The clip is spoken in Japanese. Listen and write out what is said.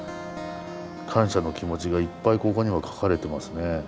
感謝の気持ちがいっぱいここには書かれてますね。